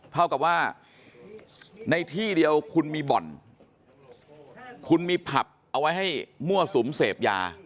เท่ากับว่าในที่เดียวคุณมีบ่อนคุณมีผับเอาไว้ให้มั่วสุมเสพยา